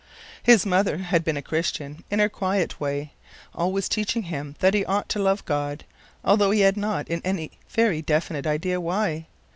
His mother had been a Christian, in her quiet way, always teaching him that he ought to love God, although he had not in any very definite idea why.